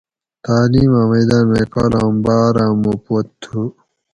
تعلیماۤں میدان مئی کالام باۤر آۤمو پت تُھو